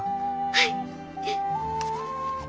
はい！